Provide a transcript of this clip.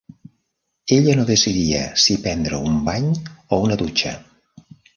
Ella no decidia si prendre un bany o una dutxa.